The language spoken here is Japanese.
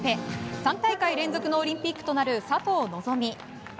３大会連続のオリンピックとなる佐藤希望。